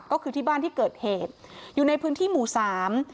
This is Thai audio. ก็คือที่บ้านที่เกิดเหตุอยู่ในพื้นที่หมู่สาม